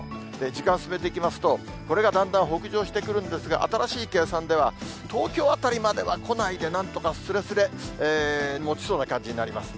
時間進めていきますと、これがだんだん北上してくるんですが、新しい計算では、東京辺りまでは来ないでなんとかすれすれ、もちそうな感じになります。